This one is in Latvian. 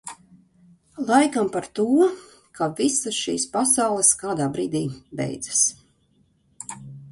Laikam par to, ka visas šīs pasaules kādā brīdī beidzas.